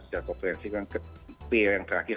secara konferensi yang terakhir